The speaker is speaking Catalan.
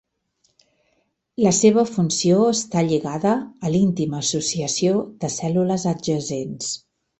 La seva funció està lligada a l'íntima associació de cèl·lules adjacents.